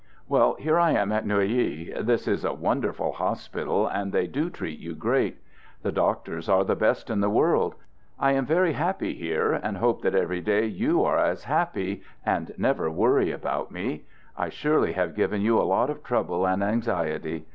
. Well, here I am at Neuilly. This is a won 156 "THE GOOD SOLDIER dcrf ul hospital, and they do treat you great ! The doctors are the best in the world. I am very happy here and hope every day that you are as happy and never worry about me. I surely have given you a lot of trouble and anxiety.